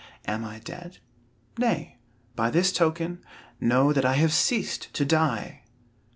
Am I dead? Nay, by this token, Know that I have ceased to die!"